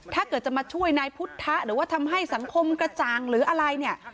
ถ้าเกิดจะมาช่วยนายพุทธะหรือว่าทำให้สังคมกระจ่างหรืออะไรเนี่ย